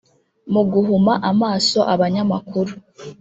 Mu guhuma amaso abanyamakuru